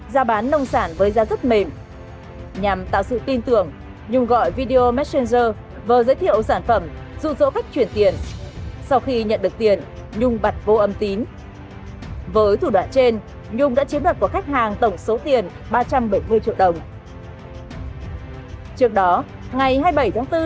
đồng ý thuốc đơn mua sản phẩm yêu cầu họ chuyển tiền sau khi nhận được tiền thảo chặn liên lạc với bị hại